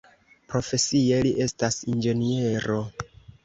Profesie li estas inĝeniero.